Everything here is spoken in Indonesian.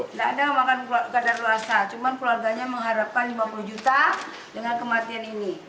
tidak ada makanan kadar luasa cuma keluarganya mengharapkan lima puluh juta dengan kematian ini